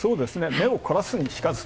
目をこらすにしかず。